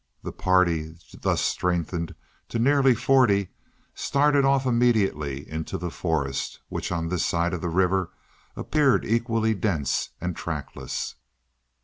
The party, thus strengthened to nearly forty, started off immediately into the forest, which on this side of the river appeared equally dense and trackless.